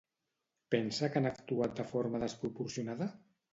Pensa que han actuat de forma desproporcionada?